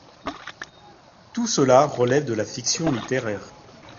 Tout cela relève de la fiction littéraire.